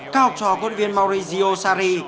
các học trò quân viên maurizio sarri